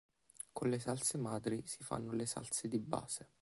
Con le salse madri si fanno le salse di base.